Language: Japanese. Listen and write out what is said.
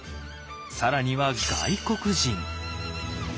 更には外国人。